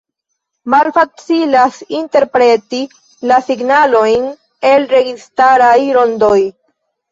Malfacilas interpreti la “signalojn el registaraj rondoj.